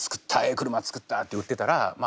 車作ったって売ってたらま